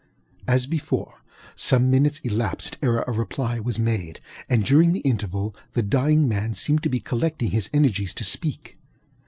ŌĆØ As before, some minutes elapsed ere a reply was made; and during the interval the dying man seemed to be collecting his energies to speak.